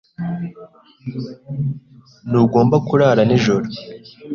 Ntugomba kurara nijoro.